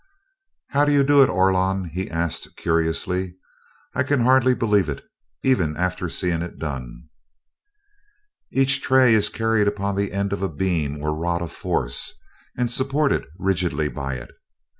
"How do you do it, Orlon?" he asked, curiously. "I can hardly believe it, even after seeing it done." "Each tray is carried upon the end of a beam or rod of force, and supported rigidly by it.